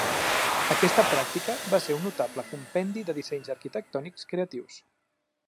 Aquesta pràctica va ser un notable compendi de dissenys arquitectònics creatius.